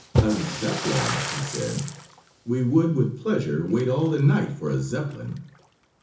"A Zeppelin!" he said. "We would with pleasure wait all the night for a Zeppelin!"